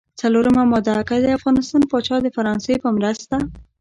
څلورمه ماده: که د افغانستان پاچا د فرانسې په مرسته.